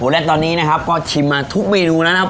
และตอนนี้นะครับก็ชิมมาทุกเมนูแล้วนะครับ